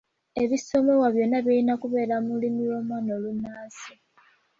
Ebisomesebwa byonna birina kubeera mu lulimi lw’omwana olunnansi.